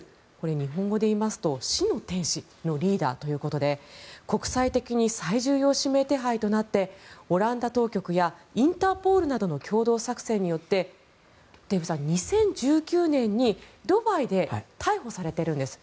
日本語で言いますと死の天使のリーダーということで国際的に最重要指名手配となってオランダ当局やインターポールなどの共同作戦によってデーブさん、２０１９年にドバイで逮捕されているんです。